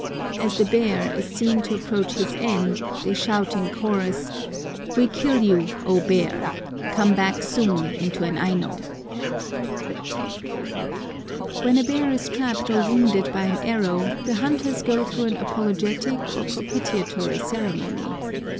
As the bear is seen to approach his end, they shout in chorus, "We kill you, O bear! come back soon into an Aino."] When a bear is trapped or wounded by an arrow, the hunters go through an apologetic or propitiatory ceremony.